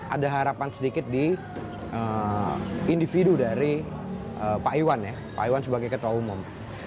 ada harapan sedikit di individu dari pak iwan sebagai ketua umum